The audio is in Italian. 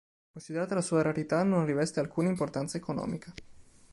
Considerata la sua rarità non riveste alcuna importanza economica.